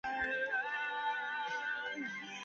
谢讷帕基耶的总面积为平方公里。